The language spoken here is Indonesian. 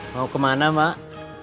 mau kemana mak